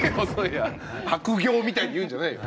悪行みたいに言うんじゃないよ。